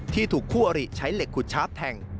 ที่ถูกคู่อริใช้เหล็กขุดชับแทง